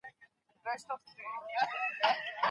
هر کلتور خپلې ځانګړې ښکلاوې لري.